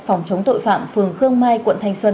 phòng chống tội phạm phường khương mai quận thành sơn